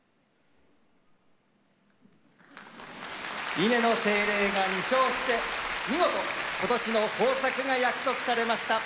稲の精霊が２勝して見事今年の豊作が約束されました。